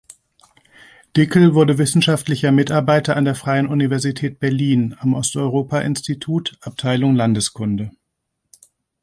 Dickel wurde wissenschaftlicher Mitarbeiter an der Freien Universität Berlin am Osteuropa-Institut, Abteilung Landeskunde.